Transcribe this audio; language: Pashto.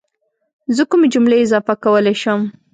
زه کومې جملې اضافه کولی شم؟